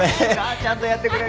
ちゃんとやってくれる。